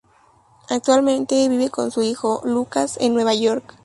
Actualmente vive con su hijo, Lukas, en Nueva York.